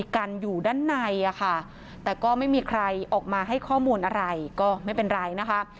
ข้อมูลอะไรก็ไม่เป็นไรนะคะ